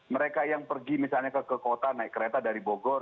mereka yang pergi misalnya ke kota naik kereta dari bogor